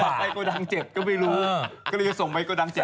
ยังใส่กดังเจ็ดก็ไม่รู้ก็เลยยังส่งไว้กดังเจ็บ